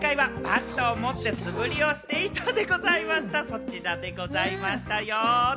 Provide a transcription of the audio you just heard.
そちらでございましたよ。